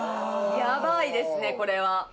ヤバいですねこれは。